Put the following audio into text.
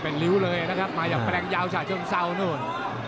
เป็นใกล้ที่เลยเป็นที่นะครับ